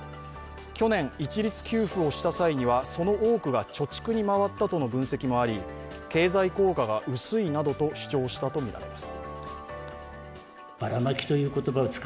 去年、一律給付をした際にはその多くが貯蓄に回ったとの分析もあり経済効果が薄いなどと主張したとみられます。